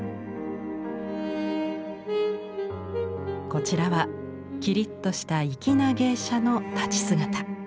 こちらはきりっとした粋な芸者の立ち姿。